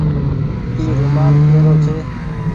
اي رومآل ڪي رو ڇي۔